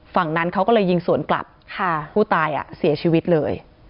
ฝั่งนั้นเขาก็เลยยิงสวนกลับผู้ตายอ่ะเสียชีวิตเลย